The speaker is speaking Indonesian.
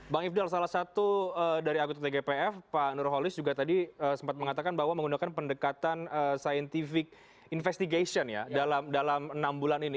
bang ifdal salah satu dari anggota tgpf pak nurholis juga tadi sempat mengatakan bahwa menggunakan pendekatan scientific investigation ya dalam enam bulan ini